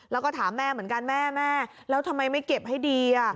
แล้วก็ถามแม่เหมือนกันแม่แม่แล้วทำไมไม่เก็บให้ดี